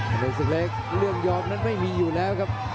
ตรงนี้สุดเล็กเรื่องยอมนั้นไม่มีอยู่แล้วครับ